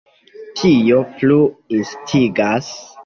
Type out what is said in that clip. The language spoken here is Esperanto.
Tio plu instigas.